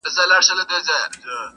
زموږ له ډلي اولادونه ځي ورکیږي -